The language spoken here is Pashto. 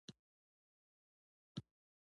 پر شونډو مې بې واره د خدای ذکر ګرځېده.